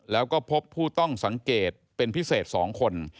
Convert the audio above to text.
แล้วก็พบผู้ต้องสังเกตเป็นพิเศษ๒คน